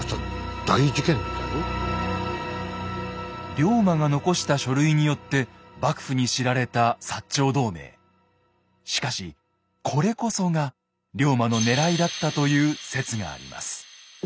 龍馬が残した書類によってしかしこれこそが龍馬のねらいだったという説があります。